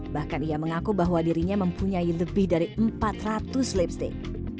bahkan ia mengaku bahwa dirinya mempunyai lebih dari empat ratus lipstick